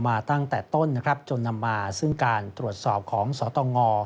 มาตั้งแต่ต้นนะครับจนนำมาซึ่งการตรวจสอบของสตง